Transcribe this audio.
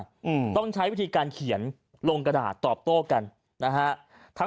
อืมต้องใช้วิธีการเขียนลงกระดาษตอบโต้กันนะฮะ